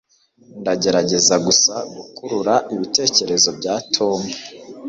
ndagerageza gusa gukurura ibitekerezo bya tom